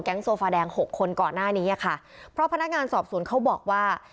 โซฟาแดงหกคนก่อนหน้านี้อ่ะค่ะเพราะพนักงานสอบสวนเขาบอกว่า